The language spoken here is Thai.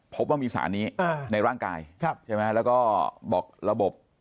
พบว่ามีสารนี้ในร่างกายใช่ไหมแล้วก็บอกระบบ